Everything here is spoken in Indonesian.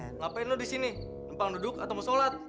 ngapain lo disini nampang duduk atau mau sholat